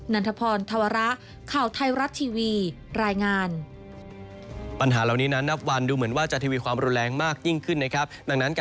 ันทพรธวระข่าวไทยรัฐทีวีรายงาน